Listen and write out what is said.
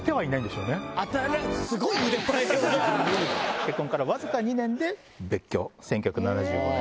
結婚からわずか２年で別居１９７５年。